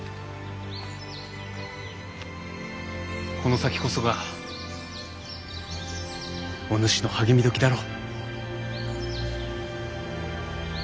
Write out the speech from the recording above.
この先こそがお主の励み時だろう。